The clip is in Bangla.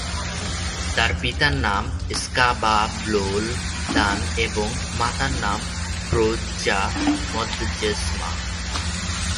তাঁর পিতার নাম স্কা-বা-ব্লো-ল্দান এবং মাতার নাম 'ব্রো-ব্জা-ম্দ্জেস-মা।